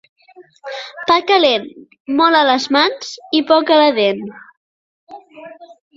Pa calent, molt a les mans i poc a la dent.